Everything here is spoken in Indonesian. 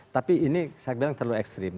tapi ini saya bilang terlalu ekstrim